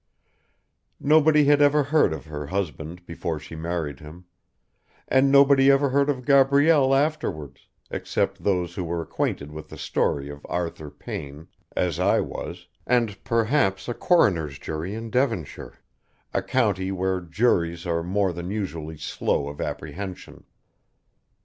Nobody had ever heard of her husband before she married him, and nobody ever heard of Gabrielle afterwards, except those who were acquainted with the story of Arthur Payne, as I was, and, perhaps, a coroner's jury in Devonshire, a county where juries are more than usually slow of apprehension.